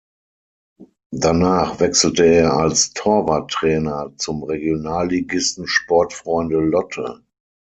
Danach wechselte er als Torwarttrainer zum Regionalligisten Sportfreunde Lotte.